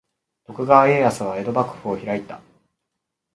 徳川家康は江戸幕府を開いた。